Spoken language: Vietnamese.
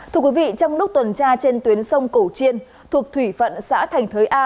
trong lúc tuần tra trên tuyến sông cổ triên thuộc thủy phận xã thành thới a